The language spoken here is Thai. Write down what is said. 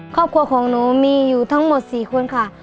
ครอบครัวของหนูมีอยู่ทั้งหมด๔คนค่ะ